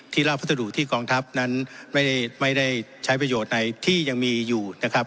ราบพัสดุที่กองทัพนั้นไม่ได้ใช้ประโยชน์ในที่ยังมีอยู่นะครับ